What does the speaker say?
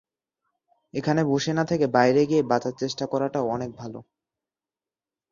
এখানে বসে না থেকে বাইরে গিয়ে বাঁচার চেষ্টা করাটাও অনেক ভালো।